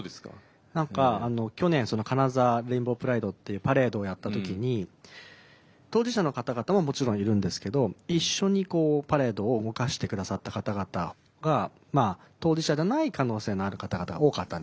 何か去年金沢レインボープライドってパレードをやった時に当事者の方々ももちろんいるんですけど一緒にパレードを動かして下さった方々が当事者じゃない可能性のある方々が多かったんですよね。